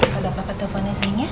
kalo dapat penteponnya sayang ya